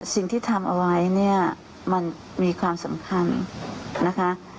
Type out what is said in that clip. สิ่งที่ทำเอาไว้เนี่ยมันมีความสำคัญนะคะ